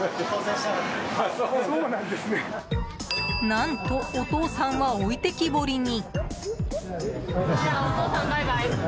何とお父さんは置いてきぼりに。